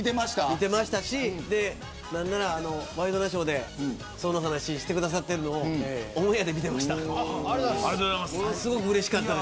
見てましたしなんならワイドナショーでその話をしてくださっているのをオンエアで見ていました。